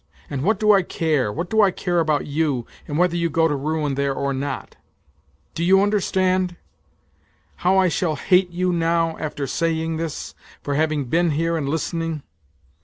And what do I care, what do I care about you, and whether you go to ruin there or not ? Do you under stand ? How I shall hate you now after saying this, for having been here and listening.